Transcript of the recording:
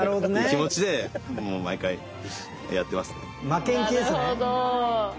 負けん気ですね。